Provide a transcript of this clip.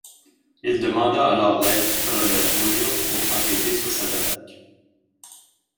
Il demanda alors l’aide du colonel O’Neill pour enquêter sur cette attaque.